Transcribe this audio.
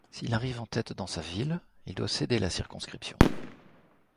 S'il arrive en tête dans sa ville, il doit céder la circonscription.